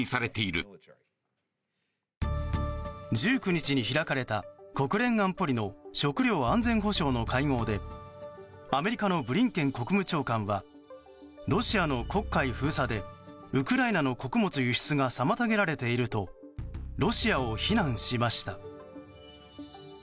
１９日に開かれた国連安保理の食糧安全保障の会合でアメリカのブリンケン国務長官はロシアの黒海封鎖でウクライナの穀物輸出が妨げられているとロシアを非難しました。